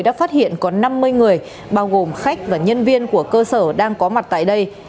đã phát hiện có năm mươi người bao gồm khách và nhân viên của cơ sở đang có mặt tại đây